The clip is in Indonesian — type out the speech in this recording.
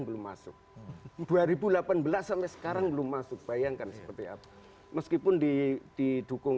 belum masuk dua ribu delapan belas sampai sekarang belum masuk bayangkan seperti apa meskipun di didukung